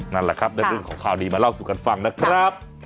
นั่นแหละครับได้เรื่องของข่าวดีมาเล่าสู่กันฟังนะครับ